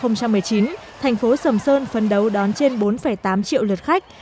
năm hai nghìn một mươi chín thành phố sầm sơn phấn đấu đón trên bốn tám triệu lượt khách